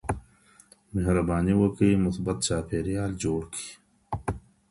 مهرباني وکړئ مثبت چاپیریال جوړ کړئ.